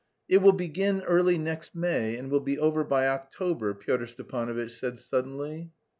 "It will begin early next May and will be over by October," Pyotr Stepanovitch said suddenly.